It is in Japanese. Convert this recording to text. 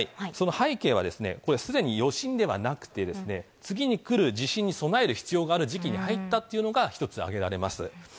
その背景はすでに余震ではなくて次にくる地震に備える必要がある時期に入ったというのが一つ上げられます。